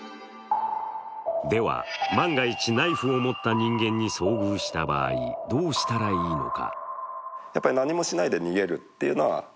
では万が一、ナイフを持った人間に遭遇した場合どうしたらいいのか。